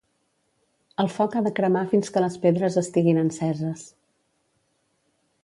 El foc ha de cremar fins que les pedres estiguin enceses.